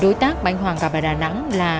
đối tác bánh hoàng gặp ở đà nẵng là